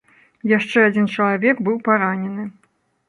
Яшчэ адзін чалавек быў паранены.